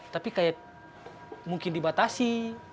tapi kayak mungkin dibatasi